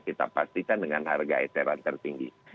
kita pastikan dengan harga eteran tertinggi